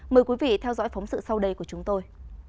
mời quý vị theo dõi phóng sự sau đây của chúng tôi